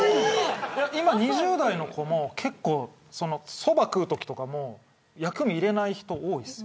今２０代の子もそば食うときとかも薬味入れない人が多いです。